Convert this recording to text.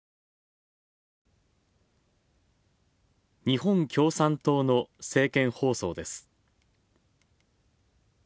日本共産党の政見放送です。